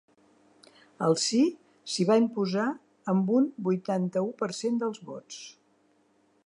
El sí s’hi va imposar amb un vuitanta-u per cent dels vots.